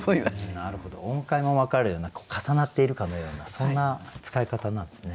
なるほど音階も分かるような重なっているかのようなそんな使い方なんですね。